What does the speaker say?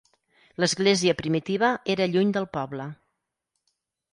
L'església primitiva era lluny del poble.